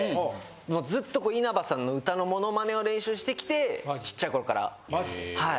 もうずっと稲葉さんの歌のモノマネを練習してきてちっちゃい頃からはい。